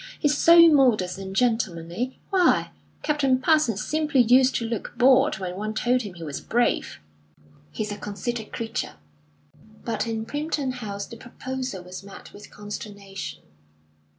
He's so modest and gentlemanly. Why, Captain Parsons simply used to look bored when one told him he was brave." "He's a conceited creature!" But in Primpton House the proposal was met with consternation.